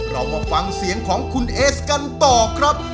เรามาฟังเสียงของคุณเอสกันต่อครับ